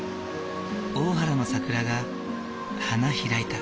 大原の桜が花開いた。